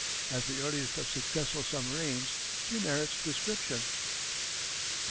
As the earliest of successful submarines she merits description: [Illustration: © U.